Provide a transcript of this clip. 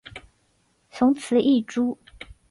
雄雌异株。